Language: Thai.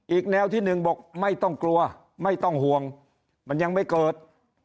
อีกแนวที่หนึ่งบอกไม่ต้องกลัวไม่ต้องห่วงมันยังไม่เกิด